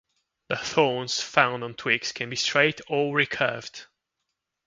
The thorns found on twigs can be straight or recurved.